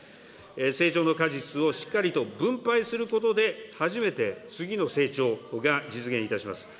成長の果実をしっかりと分配することで、初めて次の成長が実現いたします。